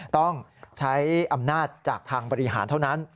ต้องใช้อำนาจจากทางบริหารเท่านั้น